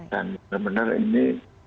dan benar benar ini